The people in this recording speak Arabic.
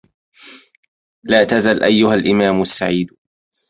لا تزل أيها الإمام السعيد